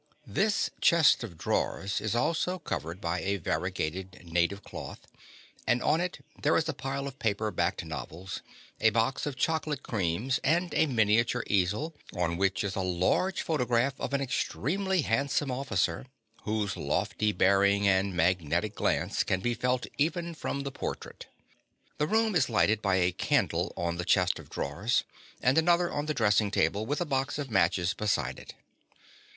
This chest of drawers is also covered by a variegated native cloth, and on it there is a pile of paper backed novels, a box of chocolate creams, and a miniature easel, on which is a large photograph of an extremely handsome officer, whose lofty bearing and magnetic glance can be felt even from the portrait. The room is lighted by a candle on the chest of drawers, and another on the dressing table, with a box of matches beside it.